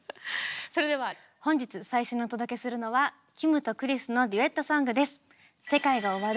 それでは本日最初にお届けするのはキムとクリスのデュエットソングです。